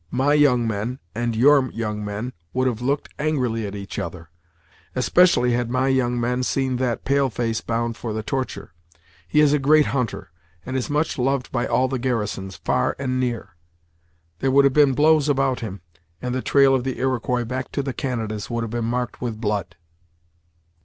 My young men and your young men would have looked angrily at each other; especially had my young men seen that pale face bound for the torture. He is a great hunter, and is much loved by all the garrisons, far and near. There would have been blows about him, and the trail of the Iroquois back to the Canadas would have been marked with blood."